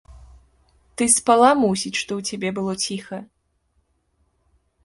Ты спала, мусіць, што ў цябе было ціха?